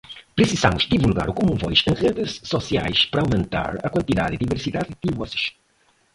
Precisamos divulgar o commonvoice em redes sociais para aumentar a quantidade, diversidade de vozes